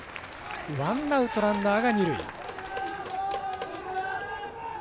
ワンアウト、ランナーが二塁。